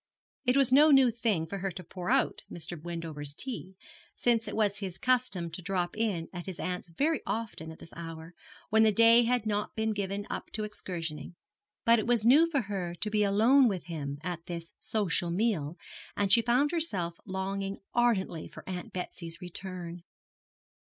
It was no new thing for her to pour out Mr. Wendover's tea, since it was his custom to drop in at his aunt's very often at this hour, when the day had not been given up to excursionising; but it was new for her to be alone with him at this social meal, and she found herself longing ardently for Aunt Betsy's return.